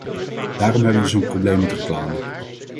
Daarom hebben we zo'n probleem met reclame.